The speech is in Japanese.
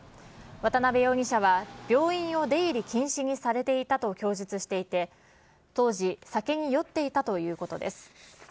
渡辺容疑者は病院を出入り禁止にされていたと供述していて、当時、酒に酔っていたということです。